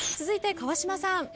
続いて川島さん。